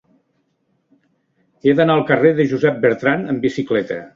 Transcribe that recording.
He d'anar al carrer de Josep Bertrand amb bicicleta.